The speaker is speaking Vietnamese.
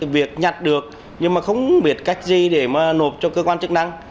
việc nhặt được nhưng mà không biết cách gì để mà nộp cho cơ quan chức năng